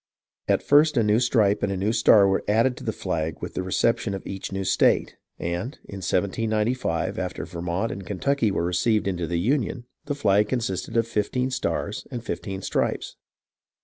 At first a new stripe and a new star were added to the flag with the reception of each new state, and in 1795, after Vermont and Kentucky were received into the Union, the flag consisted of fifteen stars and fifteen stripes.